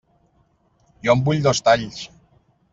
Jo en vull dos talls.